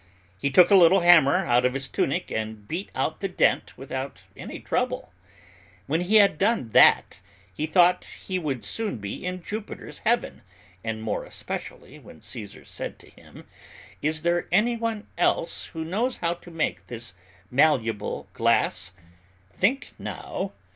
He took a little hammer out of his tunic and beat out the dent without any trouble. When he had done that, he thought he would soon be in Jupiter's heaven, and more especially when Caesar said to him, 'Is there anyone else who knows how to make this malleable glass? Think now!